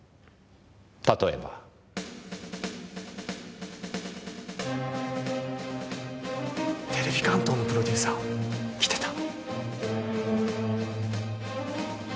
例えば。テレビ関東のプロデューサー来てた。